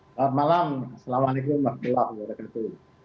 selamat malam assalamualaikum mbak kulah mbak rekatul